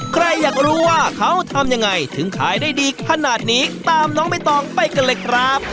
ใครอยากรู้ว่าเขาทำยังไงถึงขายได้ดีขนาดนี้ตามน้องใบตองไปกันเลยครับ